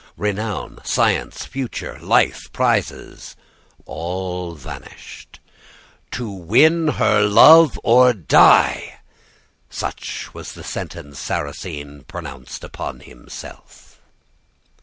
Renown, science, future, life, prizes, all vanished. "'To win her love or die!' Such was the sentence Sarrasine pronounced upon himself.